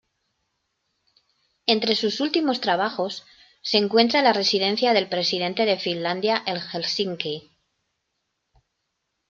Entre sus últimos trabajos, se encuentra la residencia del presidente de Finlandia en Helsinki.